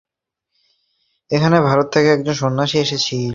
এখানে ভারত থেকে একজন সন্ন্যাসী এসেছিলেন।